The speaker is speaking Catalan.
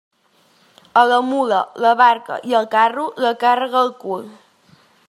A la mula, la barca i el carro, la càrrega al cul.